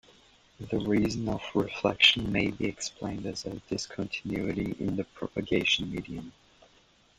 The reason of reflection may be explained as a discontinuity in the propagation medium.